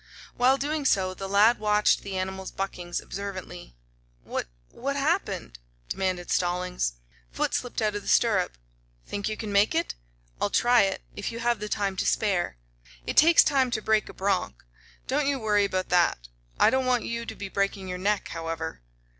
While doing so, the lad watched the animal's buckings observantly. "What what happened?" demanded Stallings. "Foot slipped out of the stirrup." "Think you can make it?" "I'll try it, if you have the time to spare." "It takes time to break a bronch. Don't you worry about that. I don't want you to be breaking your neck, however."